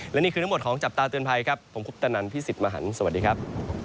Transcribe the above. และนี่คือทั้งหมดของจับตาเตือนภัยครับผมคุปตนันพี่สิทธิ์มหันฯสวัสดีครับ